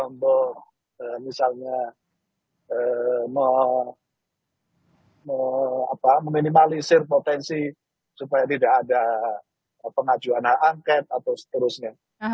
untuk misalnya meminimalisir potensi supaya tidak ada pengajuan hak angket atau seterusnya